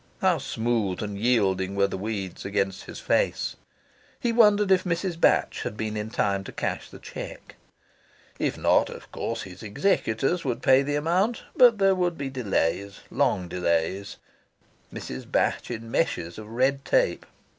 How smooth and yielding were the weeds against his face! He wondered if Mrs. Batch had been in time to cash the cheque. If not, of course his executors would pay the amount, but there would be delays, long delays, Mrs. Batch in meshes of red tape.